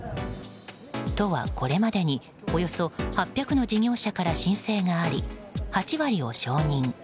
都は、これまでにおよそ８００の事業者から申請があり、８割を承認。